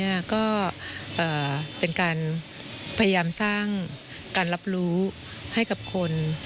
แล้วก็เป็นการพยายามสร้างการรับรู้ให้กับคน